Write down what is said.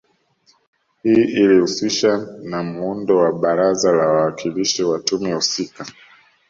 Hii ilihusisha na muundo wa Baraza la Wawakilishi wa tume husika